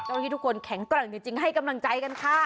ที่ทุกคนแข็งแกร่งจริงให้กำลังใจกันค่ะ